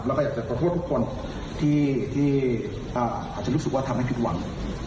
แล้วก็อยากจะขอโทษทุกคนที่อาจจะรู้สึกว่าทำให้ผิดหวัง